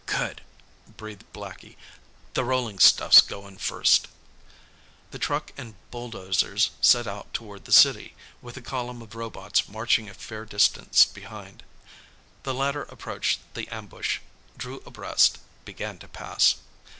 "Good!" breathed Blackie. "The rollin' stuff's goin' first." The truck and bulldozers set out toward the city, with the column of robots marching a fair distance behind. The latter approached the ambush drew abreast began to pass.